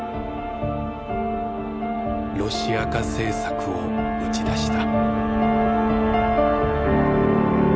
「ロシア化政策」を打ち出した。